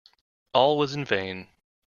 All was in vain.